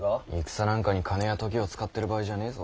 戦なんかに金や時を使ってる場合じゃねぇぞ。